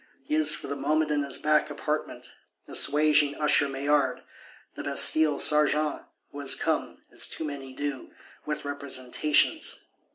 He is, for the moment, in his back apartment; assuaging Usher Maillard, the Bastille serjeant, who has come, as too many do, with "representations."